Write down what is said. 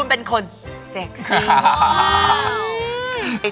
แต่น้องไม่ยอมค่ะ